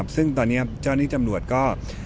ซึ่งตอนนี้เจ้าหน้าที่จำรวจก็